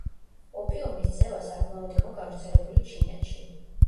ოპიუმის წევა საკმაოდ იყო გავცელებული ჩინეთში.